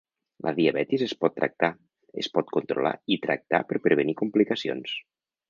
La diabetis es pot tractar, es pot controlar i tractar per prevenir complicacions.